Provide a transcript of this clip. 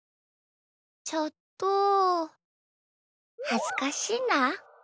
ちょっとはずかしいんだ。